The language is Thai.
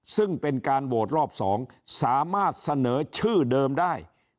ซึ่งเป็นการโหวตรอบ๒สามารถเสนอชื่อเดิมได้